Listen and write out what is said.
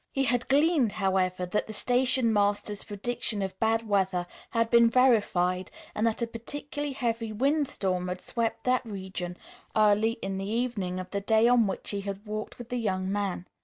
He had gleaned, however, that the station master's prediction of bad weather had been verified and that a particularly heavy windstorm had swept that region early in the evening of the day on which he had talked with the young man.